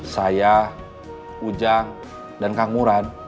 saya ujang dan kang uran